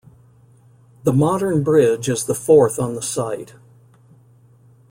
The modern bridge is the fourth on the site.